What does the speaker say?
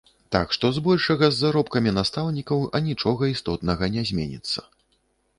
Так што збольшага з заробкамі настаўнікаў анічога істотнага не зменіцца.